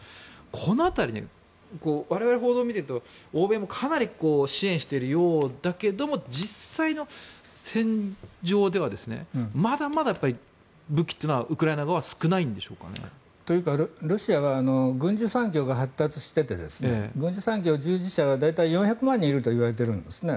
この辺り、我々報道を見ていると欧米もかなり支援しているようだけども実際の戦場ではまだまだ武器というのはウクライナ側は少ないんでしょうかね。というかロシアは軍需産業が発達していて軍需産業従事者は大体４００万人いるといわれているんですね。